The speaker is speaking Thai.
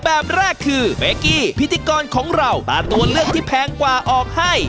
แบบแรกคือเบกกี้พิธีกรของเราตาตัวเลือกที่แพงกว่าออกให้